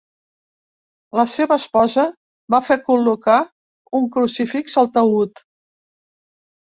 La seva esposa va fer col·locar un crucifix al taüt.